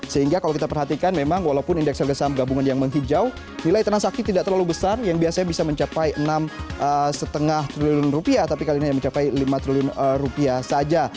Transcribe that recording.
sehingga kalau kita perhatikan memang walaupun indeks harga saham gabungan yang menghijau nilai transaksi tidak terlalu besar yang biasanya bisa mencapai enam lima triliun rupiah tapi kali ini hanya mencapai lima triliun rupiah saja